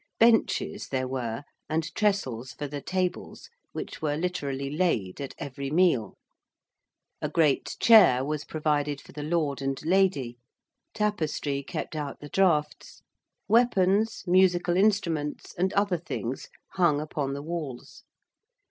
Benches there were, and trestles for the tables, which were literally laid at every meal: a great chair was provided for the Lord and Lady: tapestry kept out the draughts: weapons, musical instruments, and other things hung upon the walls.